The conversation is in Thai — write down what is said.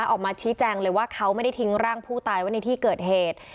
ออกมาชี้แจงเลยว่าเขาไม่ได้ทิ้งร่างผู้ตายไว้ในที่เกิดเหตุ